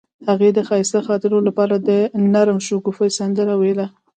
هغې د ښایسته خاطرو لپاره د نرم شګوفه سندره ویله.